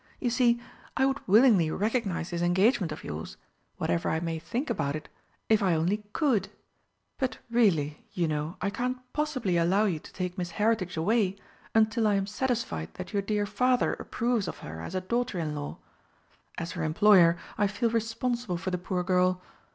You see, I would willingly recognise this engagement of yours whatever I may think about it if I only could. But really, you know, I can't possibly allow you to take Miss Heritage away until I am satisfied that your dear Father approves of her as a daughter in law. As her employer I feel responsible for the poor girl.